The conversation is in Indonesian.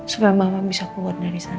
supaya malam bisa keluar dari sana